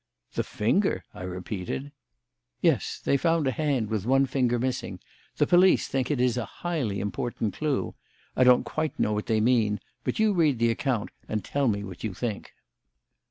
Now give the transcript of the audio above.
"The finger?" I repeated. "Yes. They found a hand with one finger missing. The police think it is a highly important clue. I don't know quite what they mean; but you read the account and tell me what you think."